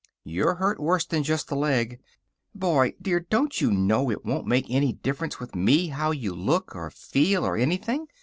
You're hurt worse than just the leg. Boy, dear, don't you know it won't make any difference with me how you look, or feel, or anything?